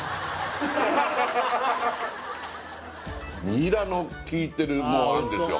ニラの効いてるもう餡ですよ